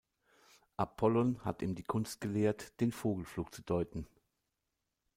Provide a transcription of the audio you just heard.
Apollon hatte ihm die Kunst gelehrt, den Vogelflug zu deuten.